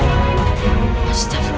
kalau kamu bersharing berole